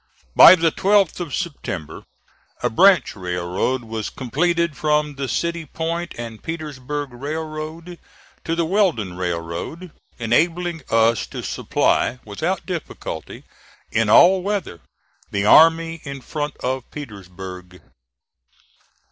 By the 12th of September, a branch railroad was completed from the City Point and Petersburg Railroad to the Weldon Railroad, enabling us to supply, without difficulty, in all weather, the army in front of Petersburg.